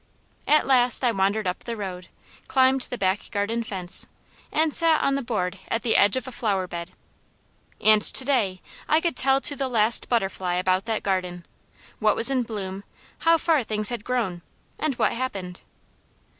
At last I wandered up the road, climbed the back garden fence, and sat on the board at the edge of a flowerbed, and to day, I could tell to the last butterfly about that garden: what was in bloom, how far things had grown, and what happened.